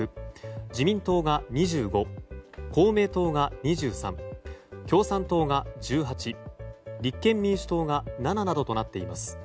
自民党が２５公明党が２３共産党が１８、立憲民主党が７などとなっています。